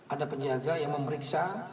ada penjaga yang memeriksa